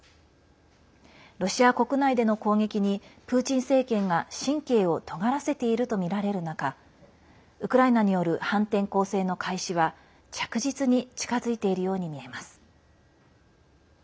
ロシア国内での攻撃にプーチン政権が、神経をとがらせているとみられる中ウクライナによる反転攻勢の開始は着実に近づいているように見えます。